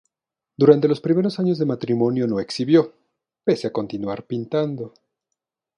Durante los primeros años de matrimonio no exhibió, pese a continuar pintando.